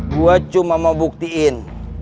gua cuma mau buktiin